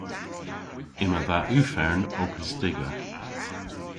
Yma dha ufern ow pystiga.